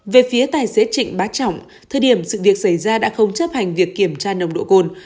về phía tài xế trịnh bá trọng thời điểm sự việc xảy ra đã không chấp hành việc kiểm tra nồng độ cồn